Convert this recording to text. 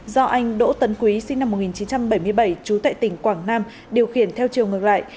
do anh đỗ tấn quý sinh năm một nghìn chín trăm bảy mươi bảy trú tại tỉnh quảng nam điều khiển theo chiều ngược lại